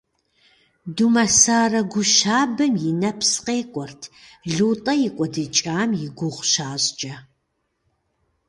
Думэсарэ гу щабэм и нэпс къекӀуэрт ЛутӀэ и кӀуэдыкӀам и гугъу щащӀкӀэ.